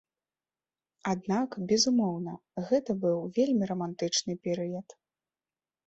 Аднак, безумоўна, гэта быў вельмі рамантычны перыяд.